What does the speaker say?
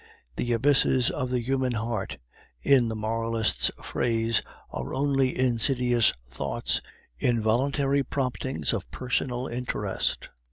The "abysses of the human heart," in the moralists' phrase, are only insidious thoughts, involuntary promptings of personal interest.